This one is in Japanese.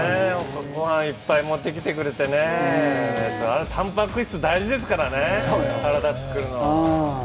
ご飯いっぱい持ってきてくれてね、たんぱく質大事ですからね体作るの。